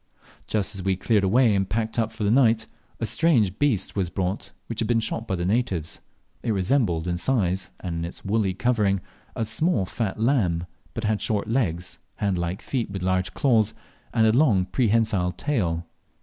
Just as we had cleared away and packed up for the night, a strange beast was brought, which had been shot by the natives. It resembled in size, and in its white woolly covering, a small fat lamb, but had short legs, hand like feet with large claws, and a long prehensile tail.